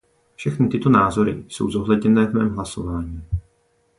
Všechny tyto názory jsou zohledněné v mém hlasování.